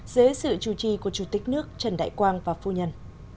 dưới sự chủ trì của chủ tịch nước trần đại quang và phu nhân